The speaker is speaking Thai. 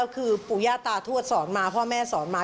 คือปู่ย่าตาทวดสอนมาพ่อแม่สอนมา